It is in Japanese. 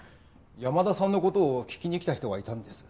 山田さんの事を聞きに来た人がいたんです。